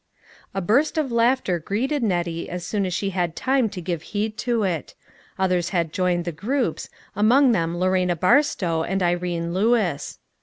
A burst of laughter greeted Nettie as soon as she had time to give heed to it. Others had joined the groups, among them Lorena Bar stow and Irene Lewis.